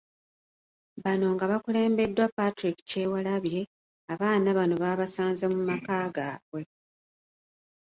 Bano nga bakulembeddwa Patrick Kyewalabye, abaana bano baabasanze mu maka gaabwe .